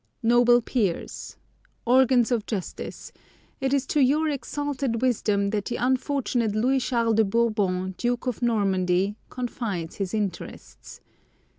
"NOBLE PEERS, Organs of justice, it is to your exalted wisdom that the unfortunate Louis Charles de Bourbon, Duke of Normandy, confides his interests.